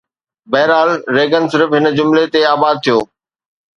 بهرحال، ريگن صرف هن جملي تي آباد ٿيو